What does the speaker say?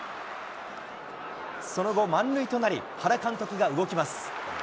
その後、満塁となり、原監督が動きます。